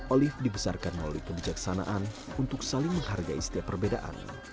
olive dibesarkan melalui kebijaksanaan untuk saling menghargai setiap perbedaan